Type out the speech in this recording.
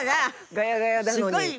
ガヤガヤなのに。